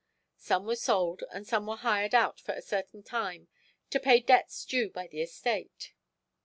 Some were sold and some were hired out for a certain time to pay debts due by the estate.